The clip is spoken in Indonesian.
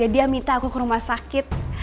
dia minta aku ke rumah sakit